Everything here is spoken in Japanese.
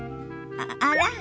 あら？